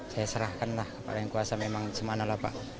saya serahkan lah paling kuasa memang semana lah pak